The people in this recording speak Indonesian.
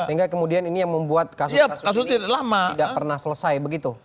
sehingga kemudian ini yang membuat kasus kasus ini tidak pernah selesai begitu